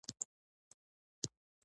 دښته له ځانه سره سکون لري.